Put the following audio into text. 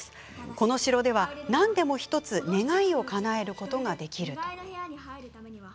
この城では何でも１つ願いをかなえることができると。